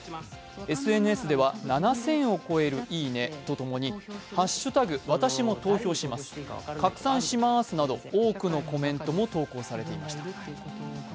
ＳＮＳでは７０００を超える「いいね」と共に「＃わたしも投票します」、「拡散しまーす」など多くのコメントも投稿されていました。